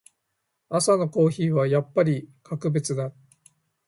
朝のコーヒーはやっぱり格別だ。